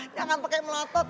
jangan pake melotot